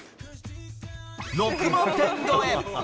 ６万点超え。